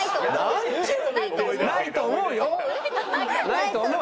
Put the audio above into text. ないと思う？